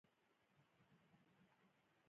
د باجوړ و.